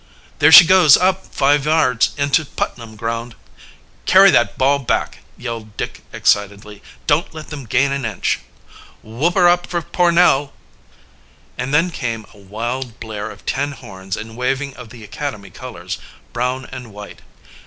"There she goes up five yards into Putnam ground!" "Carry that ball back!" yelled Dick excitedly. "Don't let them gain an inch!" "Whoop her up for Pornell!" And then came a wild blare of tin horns and a waving of the academy colors, brown and white.